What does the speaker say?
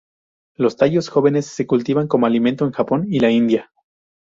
Los tallos jóvenes se cultivan como alimento en Japón y la India.